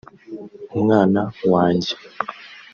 umwana wanjye